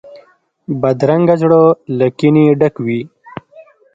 بدرنګه زړه له کینې ډک وي